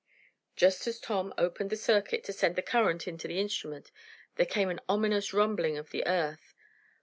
Just as Tom opened the circuit, to send the current into the instrument, there came an ominous rumbling of the earth.